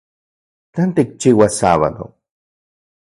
¿Tlen tikchiuas sábado?